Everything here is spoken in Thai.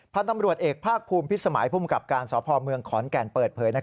พระนำรวจเอกภาคภูมิพิษสมัยผู้มูลกรรมการสภเมืองขอนแก่นเปิดเผย